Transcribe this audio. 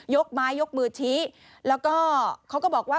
ยกไม้ยกมือชี้แล้วก็เขาก็บอกว่า